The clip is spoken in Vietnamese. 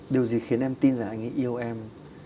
điều gì khiến em tin rằng anh ấy yêu em